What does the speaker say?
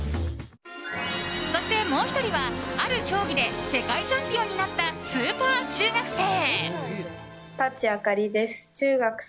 そしてもう１人は、ある競技で世界チャンピオンになったスーパー中学生。